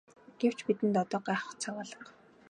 Гэвч бидэнд одоо гайхах цаг алга.